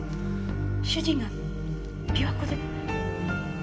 主人が琵琶湖で殺人。